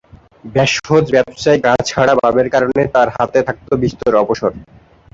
ভেষজ-ব্যবসায় গা-ছাড়া ভাবের কারণে তার হাতে থাকত বিস্তর অবসর।